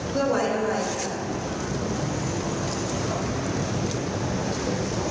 เพื่อไว้อาลัยแก่ผู้เสียชีวิตร่วมกันครับ